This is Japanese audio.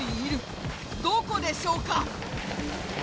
どこでしょうか？